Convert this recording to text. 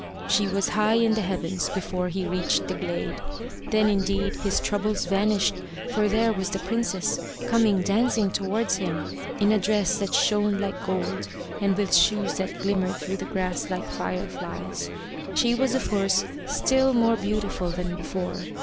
She was high in the heavens before he reached the glade. Then indeed his troubles vanished, for there was the princess coming dancing towards him, in a dress that shone like gold, and with shoes that glimmered through the grass like fireflies. She was of course still more beautiful than before.